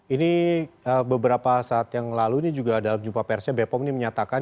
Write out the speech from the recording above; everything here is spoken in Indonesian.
ini beberapa saat yang lalu ini juga dalam jumpa persnya bepom ini menyatakan